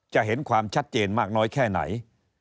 เห็นความชัดเจนมากน้อยแค่ไหน